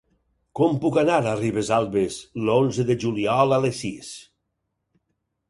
Com puc anar a Ribesalbes l'onze de juliol a les sis?